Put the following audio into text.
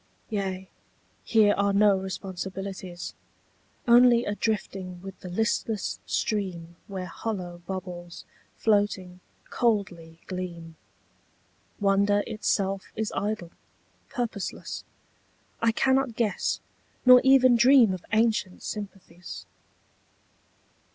Yea, here are no responsibilities. Only a drifting with the listless stream Where hollow bubbles, floating, coldly gleam. Wonder itself is idle, purposeless; I cannot guess Nor even dream of ancient sympathies.